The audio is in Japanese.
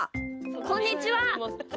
こんにちは！